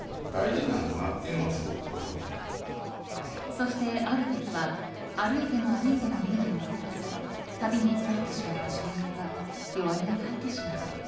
そして、ある時は歩いても歩いても家が見つからず旅に疲れてしまった少年は弱音を吐いてしまう。